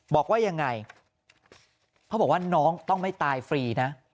บอกว่ายังไงเขาบอกว่าน้องต้องไม่ตายฟรีนะ